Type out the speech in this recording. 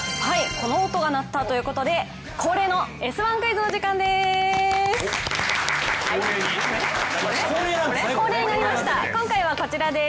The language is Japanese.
この音が鳴ったということで、恒例の「Ｓ☆１Ｑｕｉｚ」の時間です。